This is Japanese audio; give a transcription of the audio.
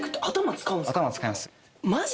頭使います